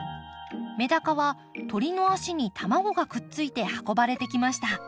メダカは鳥のあしに卵がくっついて運ばれてきました。